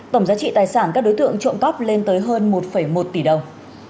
tổng giá trị tài sản các đối tượng trộm cắp lên tới hơn một một tỷ đồng